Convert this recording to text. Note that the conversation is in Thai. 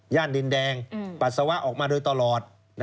ดินแดงปัสสาวะออกมาโดยตลอด